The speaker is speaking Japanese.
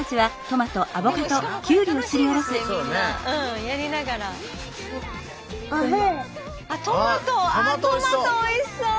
トマトおいしそう。